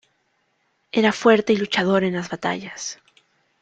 Era fuerte y luchador en las batallas.